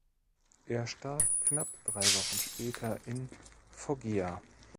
Er starb knapp drei Wochen später in Foggia.